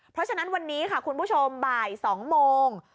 เพราะฉะนั้นวันนี้ค่ะคุณผู้ชมบ่าย๒โมง